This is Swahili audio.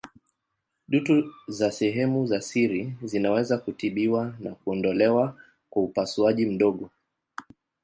Dutu za sehemu za siri zinaweza kutibiwa na kuondolewa kwa upasuaji mdogo.